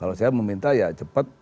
kalau saya meminta ya cepat